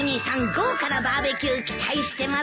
豪華なバーベキュー期待してますよ。